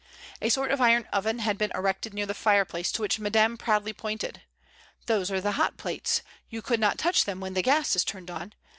A sort of iron oven had been erected near the fireplace, to which Madame proudly pointed. ''Those are the hot plates; you could not touch them when the gas is turned on.